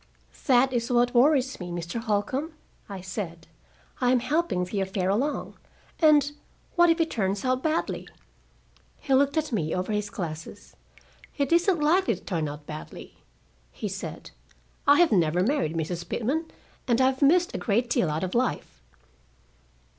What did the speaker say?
"That is what worries me, Mr. Holcombe," I said. "I am helping the affair along and what if it turns out badly?" He looked at me over his glasses. "It isn't likely to turn out badly," he said. "I have never married, Mrs. Pitman, and I have missed a great deal out of life."